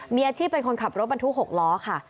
มีอาชีพเป็นคนขับรถบรรทุก๖ล้อค่ะ